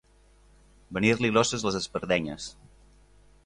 Venir-li grosses les espardenyes.